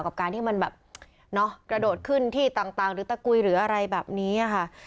กับการที่มันแบบเนาะกระโดดขึ้นที่ต่างหรือตะกุยหรืออะไรแบบนี้ค่ะ